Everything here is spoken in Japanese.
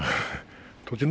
栃ノ